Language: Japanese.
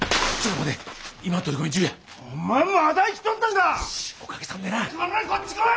・コラこっち来い！